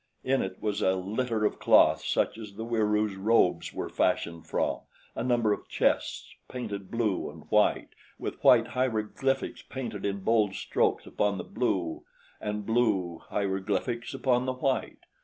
In it was a litter of cloth such as the Wieroos' robes were fashioned from, a number of chests painted blue and white, with white hieroglyphics painted in bold strokes upon the blue and blue hieroglyphics upon the white.